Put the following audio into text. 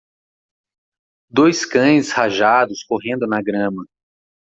Dois cães rajados correndo na grama.